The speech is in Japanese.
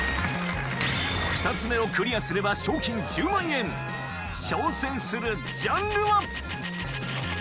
２つ目をクリアすれば賞金１０万円挑戦するジャンルは？